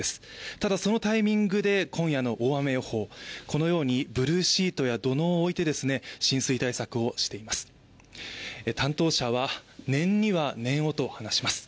ただそのタイミングで今夜の大雨予報、このようにブルーシートや土のうを置いて浸水対策をしています担当者は、念には念をと話します。